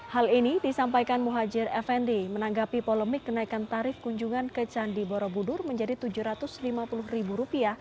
hal ini disampaikan muhajir effendi menanggapi polemik kenaikan tarif kunjungan ke candi borobudur menjadi rp tujuh ratus lima puluh